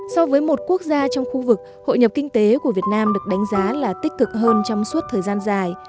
so với một quốc gia trong khu vực hội nhập kinh tế của việt nam được đánh giá là tích cực hơn trong suốt thời gian dài